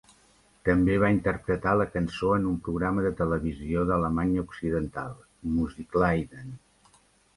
També va interpretar la cançó en un programa de televisió d'Alemanya Occidental, "Musikladen".